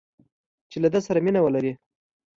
چې له ده سره مینه ولري